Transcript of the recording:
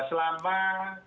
selama hampir satu bulan